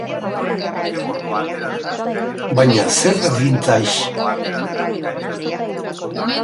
Baina zer da vintage?